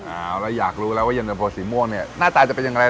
เอาแล้วอยากรู้แล้วว่าเย็นตะโฟสีม่วงเนี่ยหน้าตาจะเป็นอย่างไร